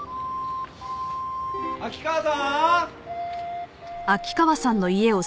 秋川さん？